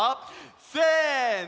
せの！